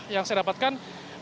yang saya dapatkan